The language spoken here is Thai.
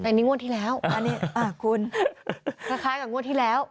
แต่นี่งวดที่แล้วอันนี้คุณคล้ายกับงวดที่แล้ว